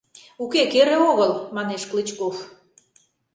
— Уке, кере огыл, — манеш Клычков.